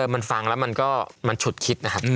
มันฟังแล้วมันก็มันฉุดคิดนะครับ